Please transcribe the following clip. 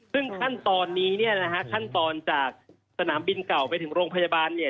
ซึ่งขั้นตอนนี้เนี่ยนะฮะขั้นตอนจากสนามบินเก่าไปถึงโรงพยาบาลเนี่ย